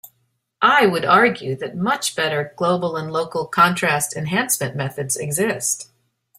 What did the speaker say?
I would argue that much better global and local contrast enhancement methods exist.